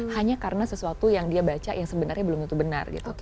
hanya karena sesuatu yang dia baca yang sebenarnya belum tentu benar gitu